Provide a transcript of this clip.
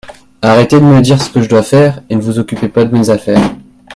Arrêtez de me dire ce que je dois faire et ne vous occupez pas de mes affaires.